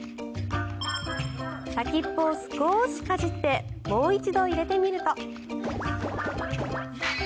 先っぽを少しかじってもう一度入れてみると。